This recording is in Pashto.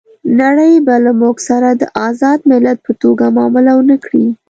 نړۍ به له موږ سره د آزاد ملت په توګه معامله ونه کړي.